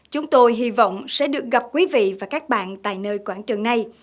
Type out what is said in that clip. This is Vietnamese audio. chúng tôi hy vọng sẽ được gặp quý vị và các bạn tại nơi quảng trường này